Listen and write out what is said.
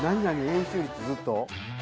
円周率ずっと？